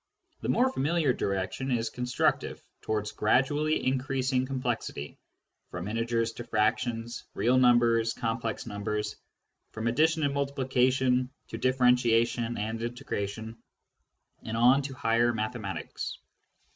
The more familiar direction is constructive, towards gradually increasing complexity : from integers to fractions, real numbers, complex numbers ; from addition and multi plication to differentiation and integration, and on to higher mathematics.